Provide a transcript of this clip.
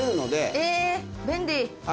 え便利。